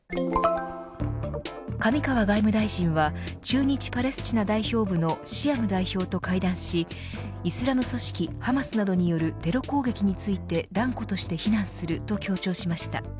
上川外務大臣は駐日パレスチナ代表部のシアム代表と会談しイスラム組織ハマスなどによるテロ攻撃について、断固として非難すると強調しました。